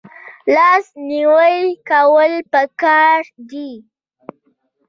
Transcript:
لاس نیوی کول پکار دي